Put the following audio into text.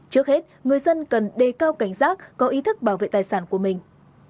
trước hết người dân cần đề cao cảnh giác có ý thức bảo vệ tài sản của mình